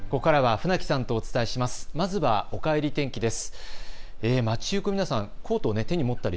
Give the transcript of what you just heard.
ここからは船木さんとお伝えします。